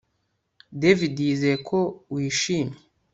David yizeye ko wishimye